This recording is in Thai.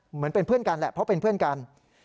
เหมือนเป็นเพื่อนกันแหละเพราะเป็นเพื่อนกัน